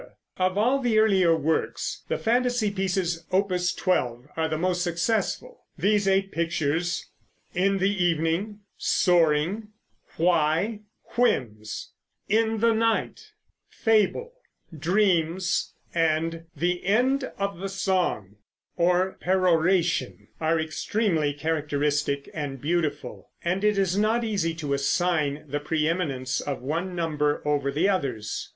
Of all the earlier works the Fantasy Pieces, Opus 12, are the most successful. These eight pictures, "In the Evening," "Soaring," "Why," "Whims," "In the Night," "Fable," "Dreams," and "The End of the Song," or peroration, are extremely characteristic and beautiful, and it is not easy to assign the pre eminence of one number over the others.